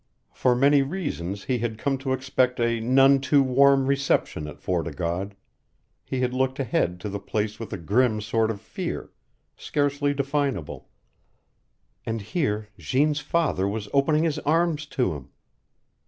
For many reasons he had come to expect a none too warm reception at Fort o' God; he had looked ahead to the place with a grim sort of fear, scarcely definable; and here Jeanne's father was opening his arms to him.